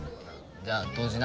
じゃあ同時な。